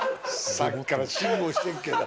さっきから辛抱してるけど。